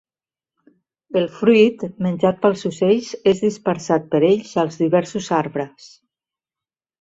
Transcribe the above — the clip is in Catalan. El fruit, menjat pels ocells, és dispersat per ells als diversos arbres.